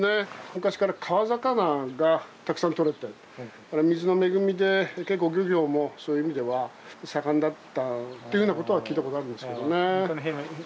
昔から川魚がたくさんとれて水の恵みで結構漁業もそういう意味では盛んだったっていうようなことは聞いたことあるんですけどね。